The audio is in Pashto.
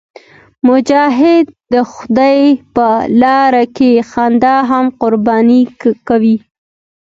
مجاهد د خدای په لاره کې خندا هم قرباني کوي.